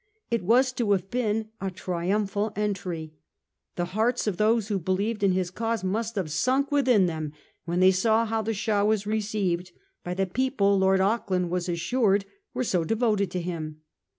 It was to have been a triumphal entry. The hearts of those who believed in his cause must have sunk within them when they saw how the Shah was received by the people who, Lord Auckland was assured, were so devoted to him.